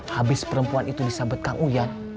habis perempuan itu disabet kang uyan